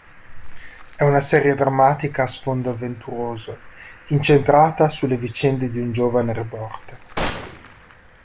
È una serie drammatica a sfondo avventuroso incentrata sulle vicende di un giovane reporter.